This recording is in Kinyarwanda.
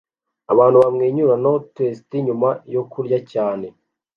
abantu bamwenyura no toast nyuma yo kurya cyane